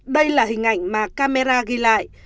đây là hình ảnh mà camera ghi lại